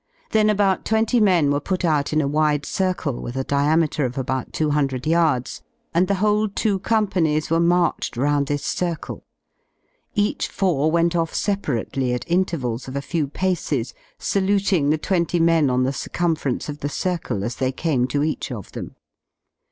Then about twenty men were put out in a wide circle with a diameter of about two hundred yards, and the whole two companies were marched round this circle. Each four went off separately at intervals of a few paces, saluting the twenty men on the circum ference of the circle as they came to each of them.